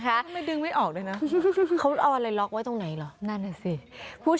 เขาออกไว้ตรงไหนหรอก็เรียกว่าในนั้นแสดง